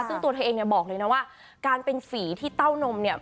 ซึ่งตัวเธอเองเนี่ยบอกเลยนะว่าการเป็นฝีที่เต้านมเนี่ย